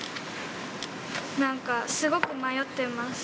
なんか、すごく迷ってます。